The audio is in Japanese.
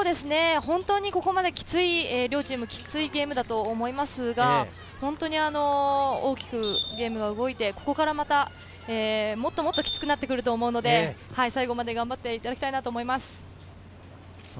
ここまできつい両チーム、ゲームだったと思いますが、本当に大きくゲームが動いて、ここからまたもっとキツくなってくると思うので、最後まで頑張っていただきたいと思います。